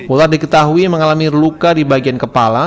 ular diketahui mengalami luka di bagian kepala